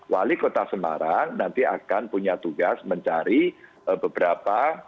wali kota semarang nanti akan punya tugas mencari beberapa